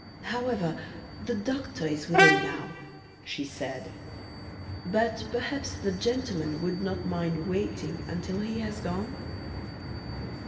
"However, the doctor is with him now," she added. "But perhaps the gentlemen would not mind waiting until he has gone?"